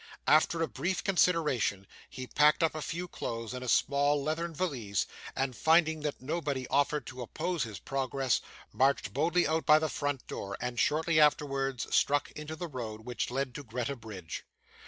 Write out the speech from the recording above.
After a brief consideration, he packed up a few clothes in a small leathern valise, and, finding that nobody offered to oppose his progress, marched boldly out by the front door, and shortly afterwards, struck into the road which led to Greta Bridge.